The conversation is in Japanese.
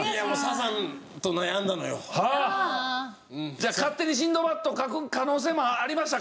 じゃあ『勝手にシンドバッド』を書く可能性もありましたか？